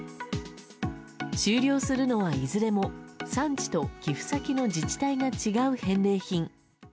終了するのはいずれも産地と寄付先の自治体が違う返礼品。